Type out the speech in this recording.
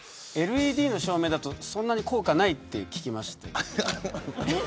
ＬＥＤの照明だとそんなに効果ないって聞きましたけど。